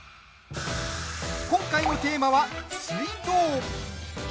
今回のテーマは、水道。